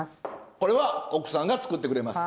これは奥さんが作ってくれます。